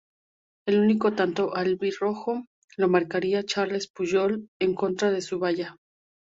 El único tanto albirrojo lo marcaría Carles Puyol en contra de su valla.